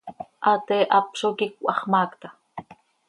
Hatee hap zo quicö, hax maacta.